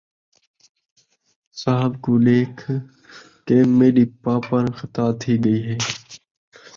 صاحب کوں ݙیکھ کے میݙی پاپݨ خطا تھی ڳئی